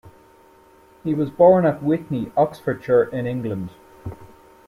He was born at Witney, Oxfordshire, in England.